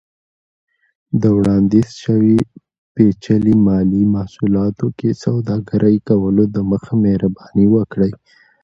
د وړاندیز شوي پیچلي مالي محصولاتو کې سوداګرۍ کولو دمخه، مهرباني وکړئ